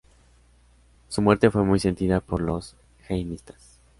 Su muerte fue muy sentida por los jaimistas.